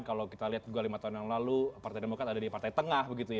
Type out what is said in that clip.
kalau kita lihat dua puluh lima tahun yang lalu partai demokrat ada di partai tengah begitu ya